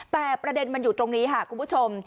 แต่ประเด็นมันอยู่ตรงนี้ค่ะคุณผู้ชม